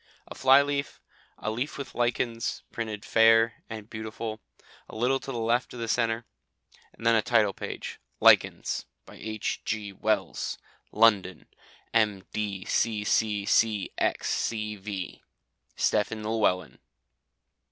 A fly leaf, a leaf with "Lichens" printed fair and beautiful a little to the left of the centre, then a title page "Lichens. By H.G. Wells. London: MDCCCXCV. Stephen Llewellyn."